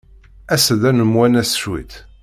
As-d ad nemwanas cwiṭ.